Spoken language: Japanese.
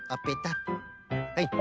はい。